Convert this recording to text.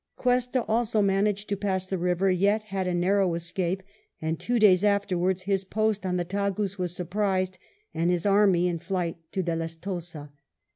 Cuesta also managed to 126 WELLINGTON chap. pass the river, yet had a narrow escape ; and two days afterwards his post on the Tagus was surprised, and his army in flight to Deleztoza.